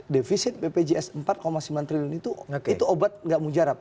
defisit bpjs empat sembilan triliun itu obat tidak menjarap